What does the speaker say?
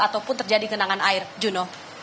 ataupun terjadi kenangan air juno